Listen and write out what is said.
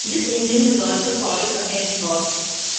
This engine was also called a "hedgehog".